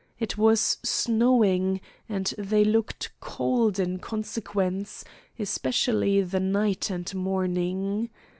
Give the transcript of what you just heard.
It was snowing, and they looked cold in consequence, especially the Night and Morning.